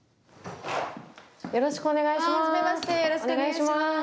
よろしくお願いします。